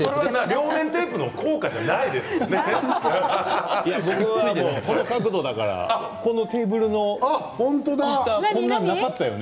両面テープの効果じゃない僕はこの角度からこのテーブルの下こんなのなかったよね。